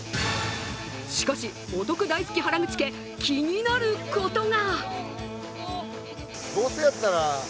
しかし、お得大好き原口家、気になることが。